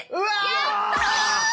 やった！